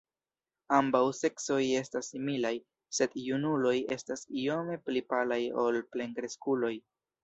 Ambaŭ seksoj estas similaj, sed junuloj estas iome pli palaj ol plenkreskuloj.